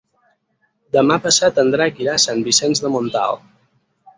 Demà passat en Drac irà a Sant Vicenç de Montalt.